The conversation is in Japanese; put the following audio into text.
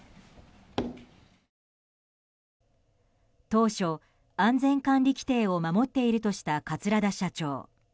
当初、安全管理規程を守っているとした桂田社長。